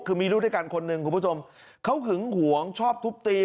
คือมีลูกด้วยกันคนหนึ่งคุณผู้ชมเขาหึงหวงชอบทุบตี